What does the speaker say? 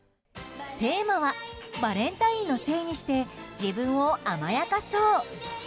テーマは「バレンタインのせいにして、自分を甘やかそう。」。